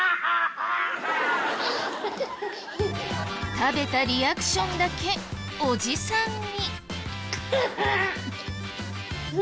食べたリアクションだけおじさんに。